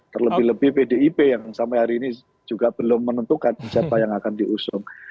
terlebih lebih pdip yang sampai hari ini juga belum menentukan siapa yang akan diusung